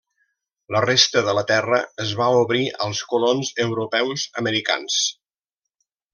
La resta de la terra es va obrir als colons europeus americans.